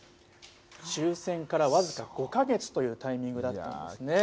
終戦から僅か５か月というタイミングだったんですね。